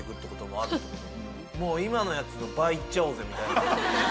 「今のやつの倍行っちゃおうぜ」みたいな。